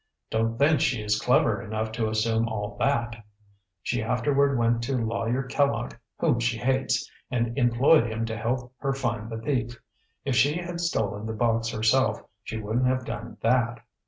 Don't think she is clever enough to assume all that. She afterward went to Lawyer Kellogg, whom she hates, and employed him to help her find the thief. If she had stolen the box herself she wouldn't have done that.